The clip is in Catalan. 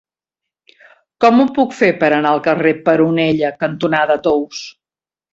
Com ho puc fer per anar al carrer Peronella cantonada Tous?